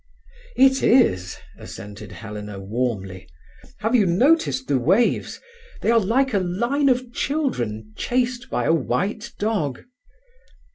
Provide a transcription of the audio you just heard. "It is," assented Helena warmly. "Have you noticed the waves? They are like a line of children chased by a white dog."